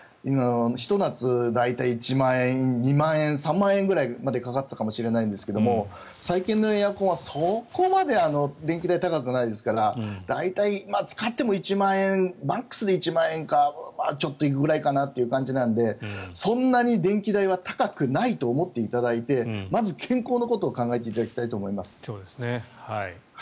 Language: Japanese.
ひと夏大体、１万円、２万円３万円くらいまでかかったかもしれないんですけど最近のエアコンはそこまで電気代が高くないですから大体使ってもマックスで１万円かちょっと行くぐらいかなという感じなのでそんなに電気代は高くないと思っていただいてまず、健康のことを考えていただきたいと思います。